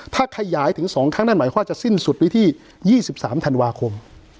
ถ้าขยายถึง๒ครั้งนั่นหมายความว่าจะสิ้นสุดในที่๒๓ธันวาคม